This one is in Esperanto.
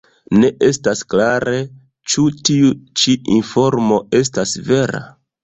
Ne estas klare, ĉu tiu ĉi informo estas vera.